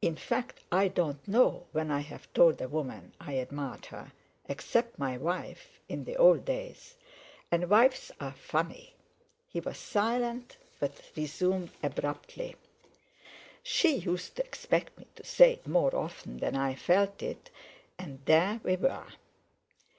In fact I don't know when I've told a woman I admired her, except my wife in the old days; and wives are funny." He was silent, but resumed abruptly: "She used to expect me to say it more often than I felt it, and there we were."